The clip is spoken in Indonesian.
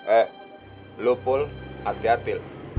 eh lo pul hati hati